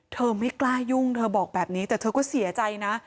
ไม่กล้ายุ่งเธอบอกแบบนี้แต่เธอก็เสียใจนะ